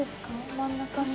真ん中の。